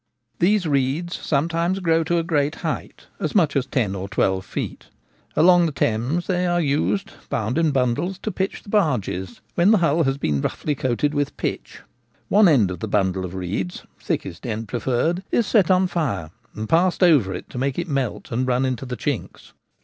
These reeds sometimes grow to a great height, as much as ten or twelve feet. Along the Thames they are used, bound in bundles, to pitch the barges ; when the hull has been roughly coated with pitch, one end of the bundle of reeds (thickest end preferred) is set on fire and passed over it to make it melt and run into the chinks.